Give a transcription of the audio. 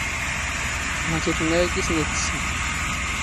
ⵀⴰⵜ ⵉ ⵜⵏⵏⴰ ⴰⴽ ⵉⵙ ⵏⵉⵜ ⵜⵙⵙⵏ.